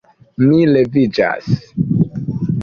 Mi leviĝas.